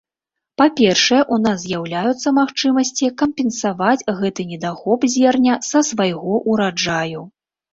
Па-першае, у нас з'яўляюцца магчымасці кампенсаваць гэты недахоп зерня са свайго ўраджаю.